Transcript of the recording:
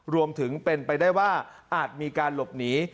รวมถึงเป็นไปได้ว่าอาจมีการหลบหนี